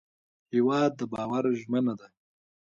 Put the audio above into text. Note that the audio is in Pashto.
هېواد د باور ژمنه ده.